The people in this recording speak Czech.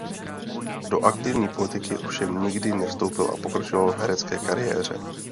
Do aktivní politiky ovšem nikdy nevstoupil a pokračoval v herecké kariéře.